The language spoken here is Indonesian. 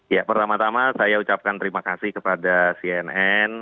ya pertama tama saya ucapkan terima kasih kepada cnn